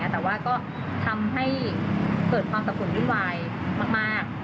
แต่ว่าก็ทำให้เกิดความสับสนวุ่นวายมาก